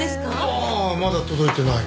ああまだ届いてない。